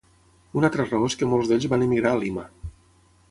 Una altra raó és que molts d'ells van emigrar a Lima.